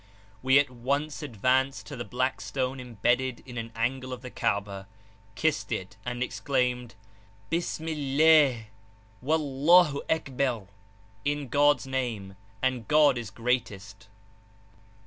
We at once advanced to the black stone imbedded in an angle of the Kabah, kissed it, and exclaimed, Bismillah wa Allahu Akbar, In Gods name, and God is greatest.